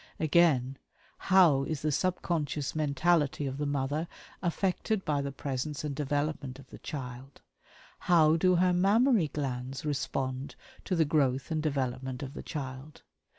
Again, how is the subconscious mentality of the mother affected by the presence and development of the child how do her mammary glands respond to the growth and development of the child?